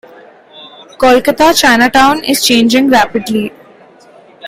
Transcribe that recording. Kolkata Chinatown is changing rapidly.